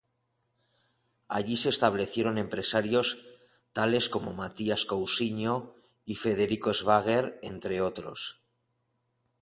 Allí se establecieron empresarios tales como Matías Cousiño y Federico Schwager, entre otros.